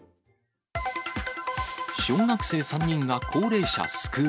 小学生３人が高齢者救う。